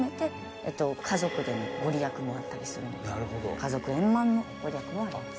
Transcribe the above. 家族円満のご利益もあります。